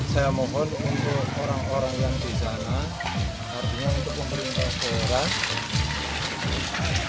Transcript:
saya mohon untuk orang orang yang di sana artinya untuk pemerintah daerah